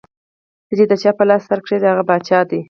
ته چې د چا پۀ سر لاس کېږدې ـ هغه باچا دے ـ